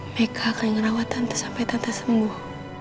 mereka akan ngerawat tante sampai tante sembuh